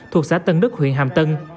thuộc xã tân đức huyện hàm tân